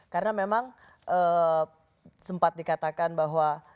karena memang sempat dikatakan bahwa